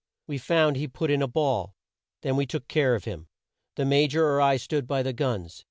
We found he put in a ball; then we took care of him. The Ma jor or I stood by the guns.